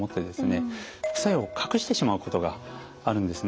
副作用を隠してしまうことがあるんですね。